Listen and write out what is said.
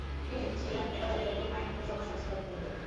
তিনি ছিলেন একাধারে একজন আইনজ্ঞ, সমাজ সংস্কারক এবং লেখক।